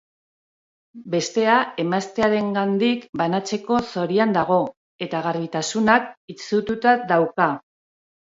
Bestea, emaztearengandik banatzeko zorian dago, eta garbitasunak itsututa dauka.